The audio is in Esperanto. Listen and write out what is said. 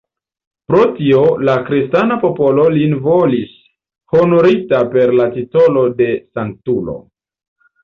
Pro tio la kristana popolo lin volis honorita per le titolo de Sanktulo.